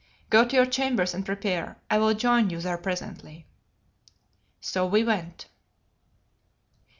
Go to your chambers and prepare. I will join you there presently." So we went.